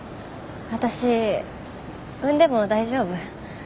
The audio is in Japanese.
私産んでも大丈夫？